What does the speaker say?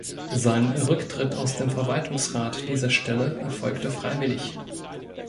Sein Rücktritt aus dem Verwaltungsrat dieser Stelle erfolgte freiwillig.